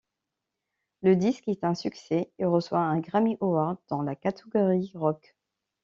Le disque est un succès, et reçoit un Grammy Award dans la catégorie rock.